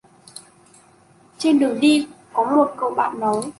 Trên đường đi có một cậu bạn nói